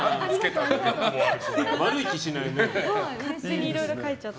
悪い気しないね。